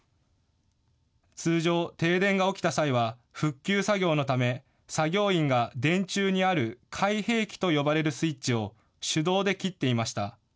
通常、停電が起きた際は復旧作業のため、作業員が電柱にある開閉器と呼ばれるスイッチを手動で切っていました。